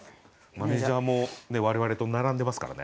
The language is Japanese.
マネージャーも我々と並んでますからね。